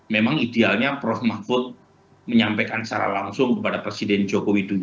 memang idealnya prof mahfud menyampaikan secara langsung kepada presiden jokowi